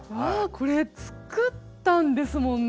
これ作ったんですもんね。